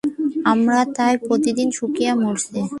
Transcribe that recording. আমরা তাই প্রতিদিন শুকিয়ে মরছি।